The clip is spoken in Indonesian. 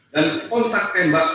dan kontak tembak